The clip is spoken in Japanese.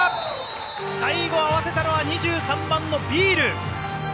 最後合わせたのは２３番のビール。